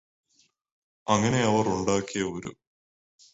അങ്ങനെ അവര് ഉണ്ടാക്കിയ ഒരു